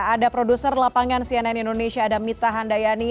ada produser lapangan cnn indonesia ada mita handayani